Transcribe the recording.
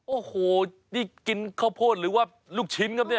โอ้โหนี่กินข้าวโพดหรือว่าลูกชิ้นครับเนี่ย